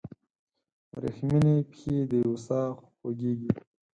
وریښمینې پښې دیوې ساه خوږیږي